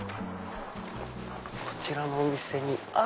こちらのお店に。